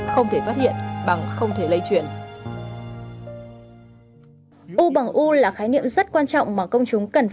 không thể phát hiện bằng không thể lây chuyển